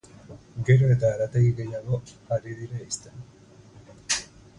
Gero eta harategi gehiago ari dira ixten.